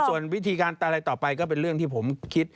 ส่วนวิธีการอะไรต่อไปก็เป็นเรื่องที่ผมคิด